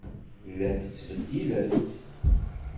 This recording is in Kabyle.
Llant ttbeddilent.